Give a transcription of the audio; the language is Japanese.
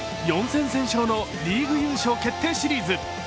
４戦全勝のリーグ優勝決定シリーズ。